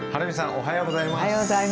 おはようございます。